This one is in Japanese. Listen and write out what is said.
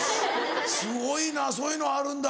すごいなそういうのあるんだ。